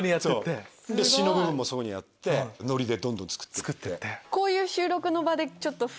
詞の部分もそういうふうにやってノリでどんどん作って。